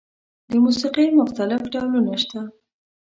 د موسیقۍ مختلف ډولونه شته.